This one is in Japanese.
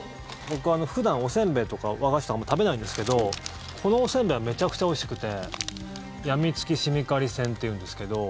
僕は普段おせんべいとか和菓子とかあんまり食べないんですけどこのおせんべいはめちゃくちゃおいしくてやみつきしみかりせんっていうんですけど。